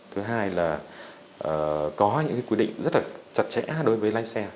thứ hai là có những quy định rất là chặt chẽ đối với lái xe